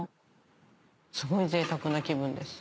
すごいぜいたくな気分です。